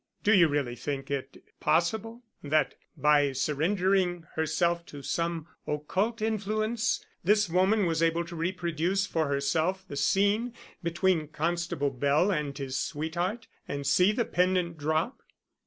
"Do you really think it possible that, by surrendering herself to some occult influence, this woman was able to reproduce for herself the scene between Constable Bell and his sweetheart, and see the pendant drop?"